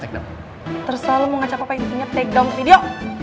terus lo mau ngacak apa isinya takut dong video